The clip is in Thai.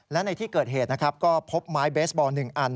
และในที่เกิดเหตุนะครับก็พบไม้เบสบอล๑อัน